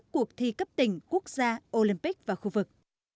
quốc gia olympic và khu vực